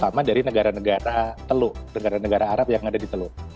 terutama dari negara negara teluk negara negara arab yang ada di teluk